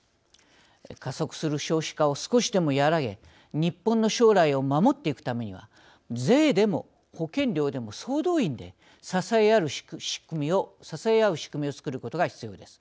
加速する少子化を少しでも和らげ日本の将来を守っていくためには税でも保険料でも総動員で支え合う仕組みを作ることが必要です。